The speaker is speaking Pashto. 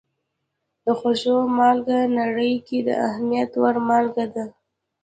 د خوړو مالګه نړۍ کې د اهمیت وړ مالګه ده.